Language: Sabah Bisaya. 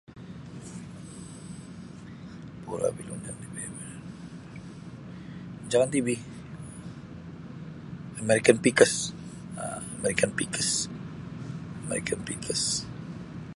[unintelligible] Rancangan TV American Pickers um American Pickers American Pickers.